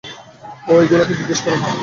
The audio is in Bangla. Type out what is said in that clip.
এ গুলোকে জিজ্ঞেস কর।